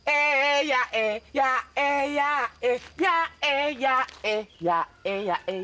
eh ya eh ya eh ya eh ya eh ya eh ya eh ya eh ya eh